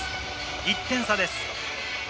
１点差です。